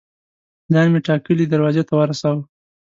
ځان مې ټاکلي دروازې ته ورساوه.